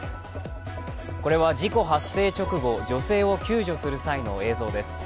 これは事故発生直後、女性を救助する際の映像です。